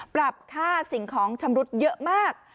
ปรับค่าสิ่งของชำรุดเยอะมาก